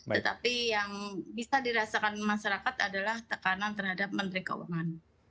tetapi yang bisa dirasakan masyarakat adalah tekanan terhadap menteri keuangan